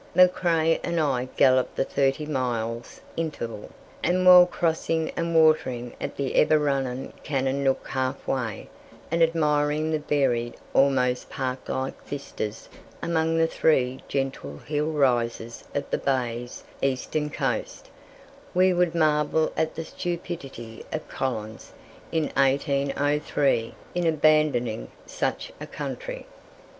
McCrae and I galloped the thirty miles interval, and while crossing and watering at the ever running Cannonook half way, and admiring the varied, almost park like vistas among the three gentle hill rises of the bay's eastern coast, we would marvel at the stupidity of Collins in 1803 in abandoning such a country.